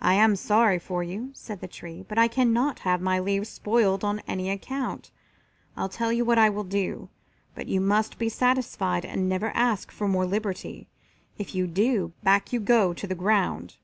"I am sorry for you," said the tree, "but I cannot have my leaves spoiled on any account. I'll tell you what I will do, but you must be satisfied and never ask for more liberty. If you do, back you go to the ground."